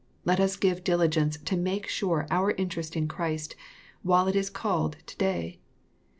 . Let us give diligence to make sure our interest in Christ, while it is called to day.